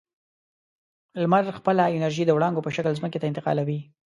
لمر خپله انرژي د وړانګو په شکل ځمکې ته انتقالوي.